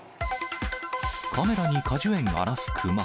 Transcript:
カメラに果樹園荒らすクマ。